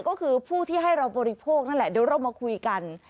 ก็คือผู้ที่ให้เราบริโภคนั่นแหละเดี๋ยวเรามาคุยกัน